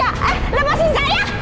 eh lepasin saya